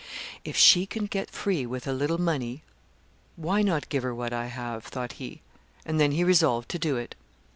"If she can get free with a little money, why not give her what I have?" thought he, and then he resolved to do it.